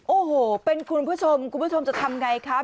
โอ้โหเป็นคุณผู้ชมคุณผู้ชมจะทำไงคะ